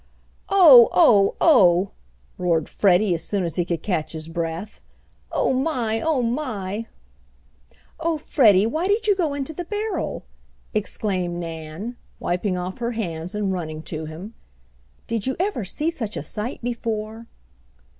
"Oh! oh! oh!" roared Freddie as soon as he could catch his breath. "Oh, my! oh, my!" "Oh, Freddie, why did you go into the barrel?" exclaimed Nan, wiping off her hands and running to him. "Did you ever see such a sight before?"